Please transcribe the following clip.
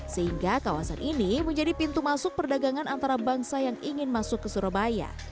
sehingga kawasan ini menjadi pintu masuk perdagangan antarabangsa yang ingin masuk ke surabaya